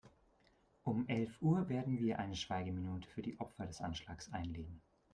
Um elf Uhr werden wir eine Schweigeminute für die Opfer des Anschlags einlegen.